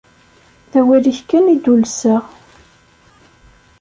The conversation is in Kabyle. d awal-ik kan i d-ulseɣ.